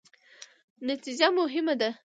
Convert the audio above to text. نتیجه مهمه ده